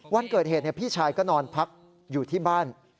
วันเกิดเหตุพี่ชายก็นอนพักอยู่ที่บ้าน